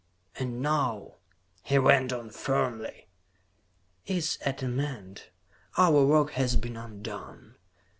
"And now," he went on firmly, "it is at an end. Our work has been undone.